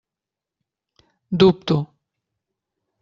Dubto.